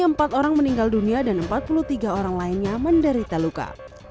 empat orang meninggal dunia dan empat puluh tiga orang lainnya menderita luka